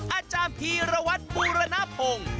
อาจารย์พีรวัตรบูรณพงศ์